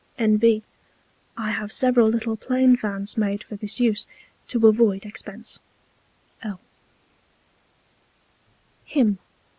N.B. I have several little plain Fans made for this Use, to avoid Expence. L.